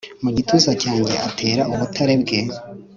mu gituza cyanjye atera ubutare bwe